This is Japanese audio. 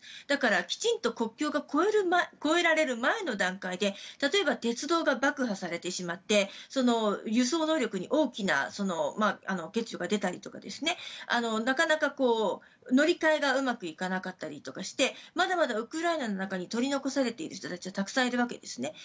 だから、きちんと国境が越えられる前の段階で例えば鉄道が爆破されてしまって輸送能力に大きな欠如が出たりとかなかなか乗り換えがうまくいかなかったりとかしてまだまだウクライナの中に取り残されている人たちはたくさんいるわけですね。